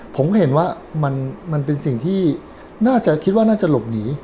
ผมก็เห็นว่ามันเป็นสิ่งที่น่าจะคิดว่าน่าจะหลบหนี